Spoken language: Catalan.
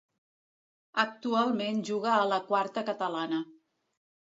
Actualment juga a la Quarta Catalana.